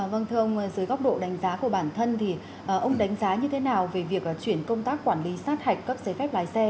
vâng thưa ông dưới góc độ đánh giá của bản thân thì ông đánh giá như thế nào về việc chuyển công tác quản lý sát hạch cấp giấy phép lái xe